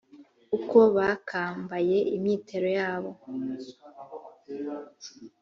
uko bakambaye imyitero yabo